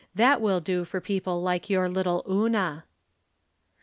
That wUl do for people like your little Una.